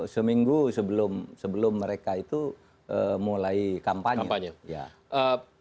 seminggu sebelum mereka itu mulai kampanye